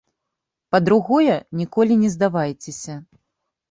Па-другое, ніколі не здавайцеся.